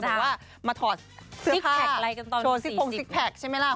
หรือว่ามาถอดเสื้อผ้าโชว์ซิกโพงซิกแพคใช่ไหมล่ะ